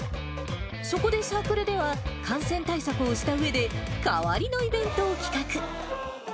そこでサークルでは、感染対策をしたうえで、代わりのイベントを企画。